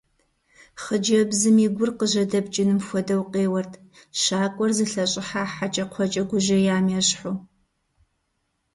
Хъыджэбзым и гур къыжьэдэпкӀыным хуэдэу къеуэрт, щакӀуэр зылъэщӀыхьа хьэкӀэкхъуэкӀэ гужьеям ещхьу.